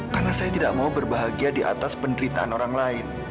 karena saya tidak mau berbahagia di atas penderitaan orang lain